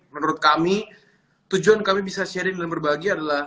menurut kami tujuan kami bisa sharing dan berbahagia adalah